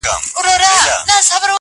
د نیمي شپې آذان ته به زوی مړی ملا راسي٫